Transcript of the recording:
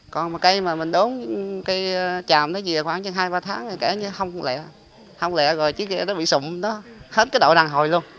còn một cây mà mình đốn cây tràm đó về khoảng hai ba tháng kể như không lẹ không lẹ rồi chiếc ghe nó bị sụn hết cái độ đàn hồi luôn